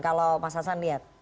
kalau mas hasan lihat